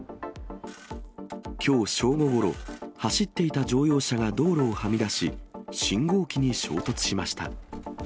きょう正午ごろ、走っていた乗用車が道路をはみ出し、信号機に衝突しました。